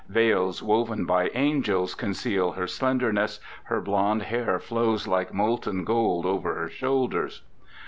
Veils woven by angels conceal her slenderness, her blond hair flows like molten gold over her shoulders.